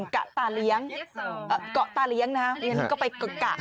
กะตาเลี้ยงเอ่อก็ตาเลี้ยงนะครับอีกก็ทาย